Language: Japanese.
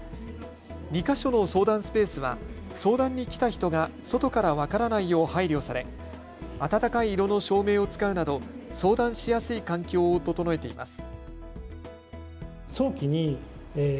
２か所の相談スペースは相談に来た人が外から分からないよう配慮され、温かい色の照明を使うなど相談しやすい環境を整えています。